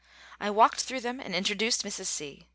I walked through them and introduced Mrs. C.